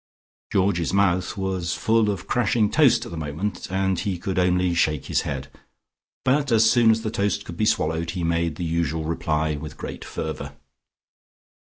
Georgie's mouth was full of crashing toast at the moment, and he could only shake his head. But as soon as the toast could be swallowed, he made the usual reply with great fervour.